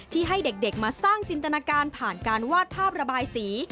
ให้เด็กมาสร้างจินตนาการผ่านการวาดภาพระบายสี